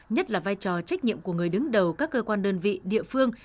nhất là vai trò trách nhiệm của người đứng đầu các cơ quan đơn vị địa phương